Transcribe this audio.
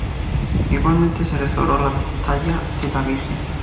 Igualmente se restauró la talla de la Virgen.